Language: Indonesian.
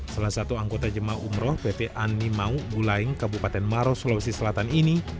salah satu anggota jemaah umroh pt anni mauk gulaing kabupaten maros sulawesi selatan ini